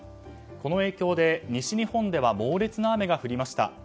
この影響で西日本では猛烈な雨が降りました。